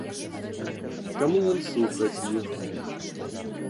Таму ён супраць іх.